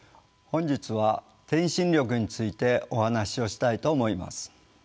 本日は「転身力」についてお話をしたいと思います。